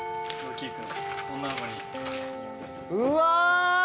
うわ！